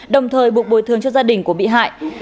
đồng thời buộc bồi thường cho gia đình của bị hại